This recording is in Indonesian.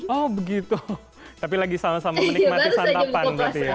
oh begitu tapi lagi sama sama menikmati santapan